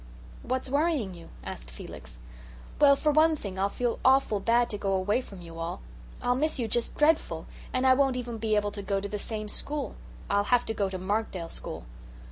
"What's worrying you?" asked Felix. "Well, for one thing I'll feel awful bad to go away from you all. I'll miss you just dreadful, and I won't even be able to go to the same school. I'll have to go to Markdale school."